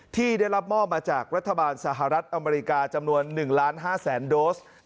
ที่ได้รับมอบมาจากรัฐบาลสหรัฐอเมริกาจำนวน๑ล้าน๕แสนโดส